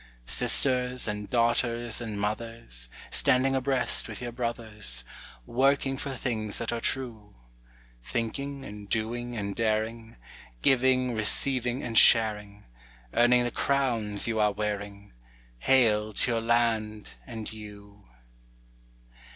Sisters and daughters and mothers, Standing abreast with your brothers, Working for things that are true; Thinking and doing and daring, Giving, receiving, and sharing, Earning the crowns you are wearing— Hail to your land and you!